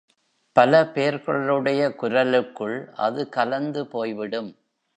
பல பேர்களுடைய குரலுக்குள் அது கலந்து போய் விடும்.